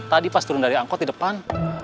tadi pas turun dari angkot di depan